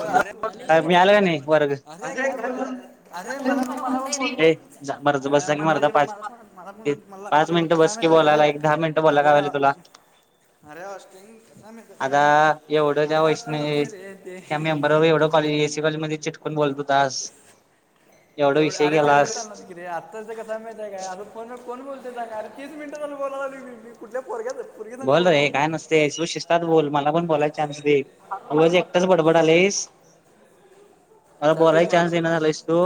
अरे मी आलय नी वरग अरे काय अरे मला पण मला करत पण फोन कर हाय. जा मर ज अरे बस की मला मर्दा इकडं पाच मला पण मला पण मला पाच लागते मिनिटं कसा बस की माहिती काय बोलायला एक दहा मिनट बोलायला अरे काय व्हायलय तुला. [inaudible] अरे हॉस्टिंग कस माहीत आता काय एवढं त्या असं असं नसत वैष्णवी रे. ते त्या मेंबरावर एवढं कॉलेज ए सी मध्ये चिटकून बोलत होतास. एवढा तेवढं विषय अरे तेवढं गेलास चालणार कि आ आ. आता कसा माहित काय अस फोन वर कोण बोलतय काय र तीस मिनटं झाल बोलालोय मी कुठल्या पोर घ्यातच बोल रे काय नसत वि [unintelligible] शिस्तात बोल मला पण बोलायला चान्स दे रोज एकटाच बडबड आलेयस मला चालते बोलाय मग चान्स दे ना झालास तु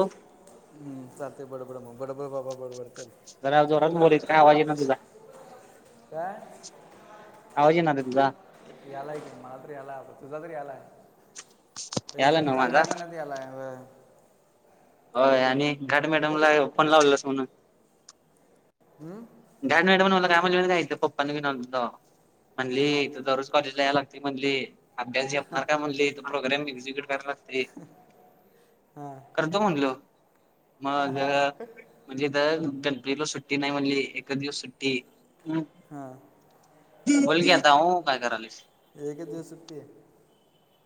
हम्म चालयत बडबड बडबड बाबा बडबड चल. जरा जोरात बोल इथं काय आवाज येईना तुझा काय आवाज येईना ग तुझा यालाय का मला तर याला आप तुझा तरी यालाय यायलाय एकदम नव्ह माझा चांगल्यापणा यायलाय होय होय आणि घड मॅडमला फोन लावलासा म्हण. हुम्म. घड मॅडम मला काय म्हणली काय म्हणली पप्पा नां घेवून आलतो तवा हां म्हणली दा कॉलेज यायला लागते म्हणली अभ्यास झेपणार काय म्हणली तो प्रोग्रम एक्झिक्युट कराला लागते एक करतो म्हणलो मग म्हणजे गणपतीला सुट्टी नाही म्हणली. एक दिवस सुट्टी हम् हां बोल की आता अ काय करालीस एक दिवस सुट्टी आहे.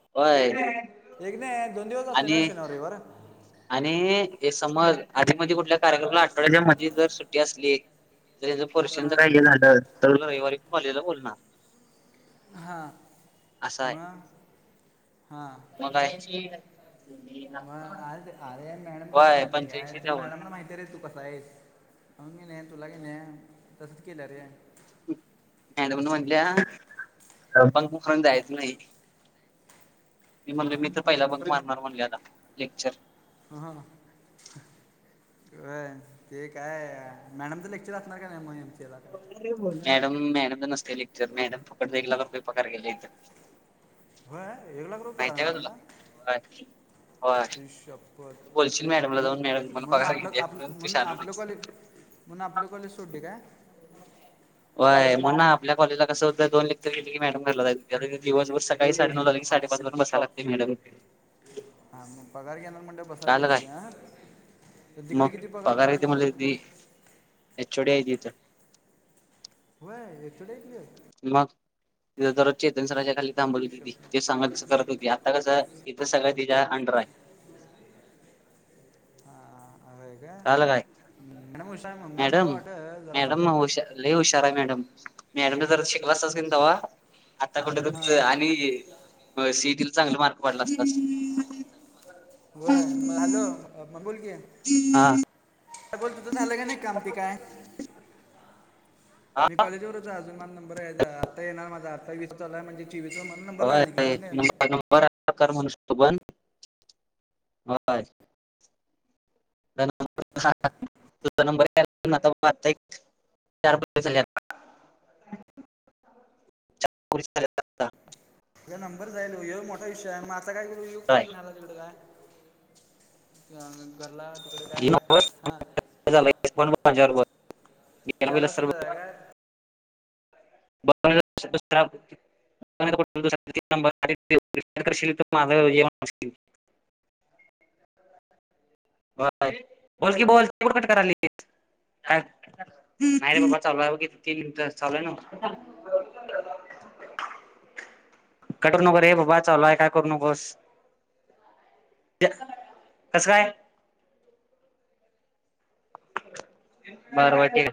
होय एक ना दोन दिवस जातोय ना आणि शनिवार रविवार आणि हे समज आधी मधी कुठल्या कार्यक्रमाला आठवड्याच्या मध्ये जर सुट्टी असली पोर्शन हां चे काय हे झाल तर रविवारी कॉलेज बोलणार. हा असं आहे मग हां मग [unintelligible] आज अरे मॅडम कशा होय माहितीय काय पंच्याऐंशीच्या वर मॅडमला माहिती रे तू कसा आहेस? अ कि नी तुला कीनाय तसच केलं रे. मॅडम न म्हणल्या [unintelligible] फून हां जायच नाही मी म्हणले हां मी तर पहिला बंक मारणार म्हणलेला लेक्चर हां हां ते काय मॅडम तर लेक्चर असणार का मग एम सीए ला. मॅडम मॅडम तर नसते लेक्चर मॅडम फुकटच एक लाख पगार घ्यायला येतात. होय एक लाख रुपये पगार आहे का तुला मॅडमला. होय होय आई बोलशील शपथ मॅडमला म्हण जाऊन मॅडम मला म्हणून पगार आपलं किती म्हणून आपलं तू म्हण शहाणा आपलं नाहीस कॉलेज. म्हणून आपलं कॉलेज सोडली काय? होय म्हणून आपल्या कॉलेजला कसं होतं दोन लेक्चर केले की मॅडम घरला जायची जा दिवस सक काही साडे नऊ आलं साडेपाच वाज बसाय लागते मॅडमला. हां मगं पगांर घेणारं म्हणे बसां पाहिजे काय की हां तरं तिकडे मग किती पगांर होतं आपलां कॉलेज कडे एचोडी आहे तीथ व्हंय टुडे क्यूं मगं जरं चेतन सरांच्या खांली थांबोलत हिशोब हो तं ते सांगा करतं होती आंता कसं इथं सगळं तिच्यां अंडर आहे हां अं कां आंला कायं नमः शिवा म्हणं मैडम मलां वाटलं मॅडम हुंशार लयं हुंशार आहे मॅडम मॅडम जरं शिकवा असं कि तेव्हां आंता हां कुठं आणि सिईटीला चांगले मार्क पडलां असतं होयं हॅलो बोलतं की हां बोलं तुझं झालं की नाहीं कामंती कायं मी हा कॉलेजवरं अजून मला नंबर आहे आता येणार माझं आंत्तावीस चालांय म्हजे चवीसचाला नंबर लागले की कां नाहीं कांबर करं म्हणूंन शकतो बणं नं आंता एक चार पाहिजे सगळ्यांना कुहीचं कडं तुलां नंबर जायंल मोठां विषय मगं आंता कायं करूं युंग कायं तुणांला तिकडे कायं तिकडे कायं हां झा्यांबरलां माझ्यां बरोबर चार वाजता जाय काय ब [unintelligible] तरं माझं जेवणं बो बोलकी बोलं कुंडकट कली कायं नाहीं रे बाबां चालूंय ब कि तीनं तसं चालूं आहे नां कंट करुं नको रे बाबां चालूंये कायं करूं नकोस कसं कायं मारवांडी